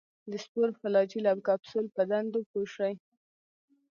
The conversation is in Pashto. د سپور، فلاجیل او کپسول په دندو پوه شي.